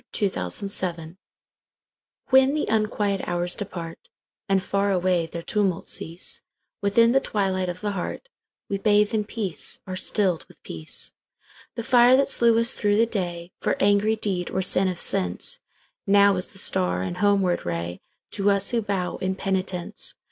The Hour of Twilight WHEN the unquiet hours departAnd far away their tumults cease, Within the twilight of the heartWe bathe in peace, are stilled with peace. The fire that slew us through the dayFor angry deed or sin of senseNow is the star and homeward rayTo us who bow in penitence.